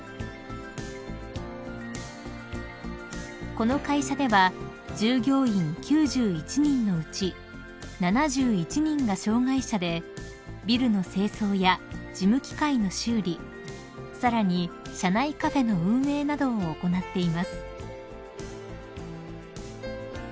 ［この会社では従業員９１人のうち７１人が障害者でビルの清掃や事務機械の修理さらに社内カフェの運営などを行っています］